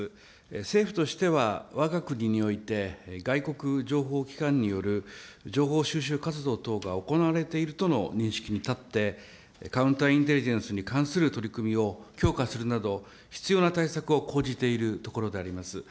政府としてはわが国において、外国情報機関による情報収集活動等が行われているとの認識に立って、カウンターに関する取り組みを強化するなど、必要な対策を講じているところであります。